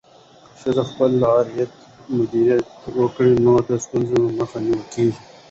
که ښځه خپل عاید مدیریت کړي، نو د ستونزو مخه نیول کېږي.